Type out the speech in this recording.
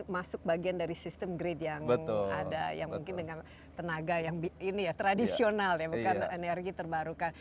masuk bagian dari sistem grade yang ada yang mungkin dengan tenaga yang ini ya tradisional ya bukan energi terbarukan